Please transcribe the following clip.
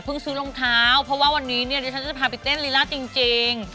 เพราะว่าวันนี้เนี่ยฉันจะพาไปเต้นรีลาจริง